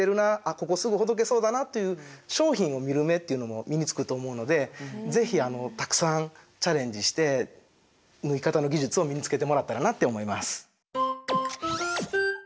ここすぐほどけそうだなという商品を見る目っていうのも身につくと思うので是非たくさんチャレンジして縫い方の技術を身につけてもらったらなって思います。